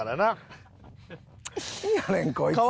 なんやねんこいつ！